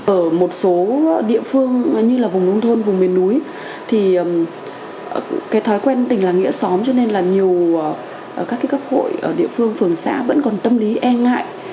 ở một số địa phương như là vùng nông thôn vùng miền núi thì cái thói quen tình là nghĩa xóm cho nên là nhiều các cấp hội ở địa phương phường xã vẫn còn tâm lý e ngại